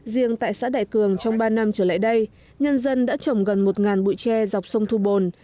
riêng tại xã đại cường trong ba năm trở lại đây nhân dân đã trồng gần một bụi tre dọc sông thu bồn